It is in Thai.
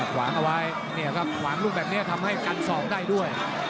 ควางเอาไว้ควางรุ่งแบบนี้ทำให้กันสองได้ด้วย